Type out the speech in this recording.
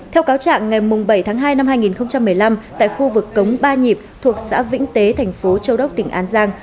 theo cáo trạng ngày bảy tháng hai năm hai nghìn một mươi năm tại khu vực cống ba nhịp thuộc xã vĩnh tế thành phố châu đốc tỉnh an giang